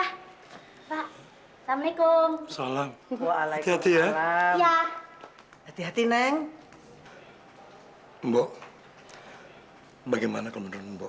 pak assalamualaikum salam waalaikumsalam hati hati ya iya hati hati neng mbok bagaimana kalau mbak